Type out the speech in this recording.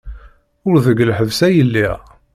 Ur deg lḥebs ay lliɣ.